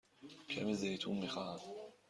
کمی زیتون می خواهم.